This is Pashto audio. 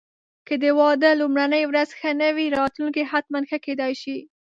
که د واده لومړني ورځې ښې نه وې، راتلونکی حتماً ښه کېدای شي.